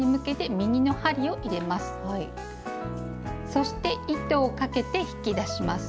そして糸をかけて引き出します。